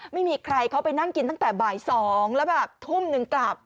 ไม่มีใครเขาไปนั่งกินตั้งแต่บ่าย๒แล้วแบบทุ่มหนึ่งกลับ